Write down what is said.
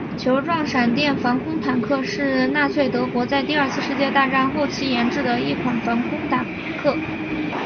球状闪电防空坦克是纳粹德国在第二次世界大战后期研制的一款防空坦克。